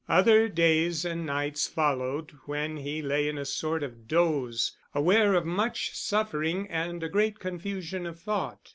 Other days and nights followed when he lay in a sort of doze, aware of much suffering and a great confusion of thought.